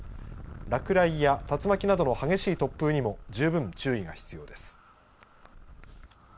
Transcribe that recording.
落雷や竜巻などの激しい突風にも十分注意が必要です。